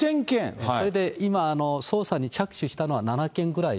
それで今、捜査に着手したのは７件ぐらい。